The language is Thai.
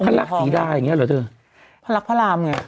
พระรักษณ์สีด้ายอย่างเงี้ยหรอเธอพระรักษณ์พระรามไง